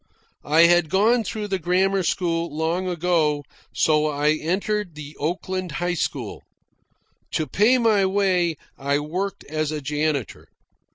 I had gone through the grammar school long ago, so I entered the Oakland High School. To pay my way I worked as a janitor.